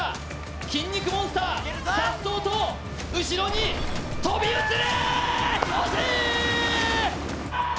筋肉モンスター、さっそうと後ろに飛び移る。